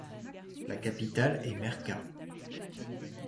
La capitale est Merka.